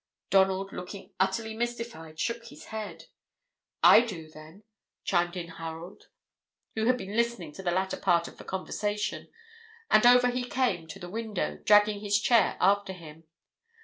Donald, looking utterly mystified, shook his head. "I do, then," chimed in Harold, who had been listening to the latter part of the conversation; and over he came to the window, dragging his chair after him.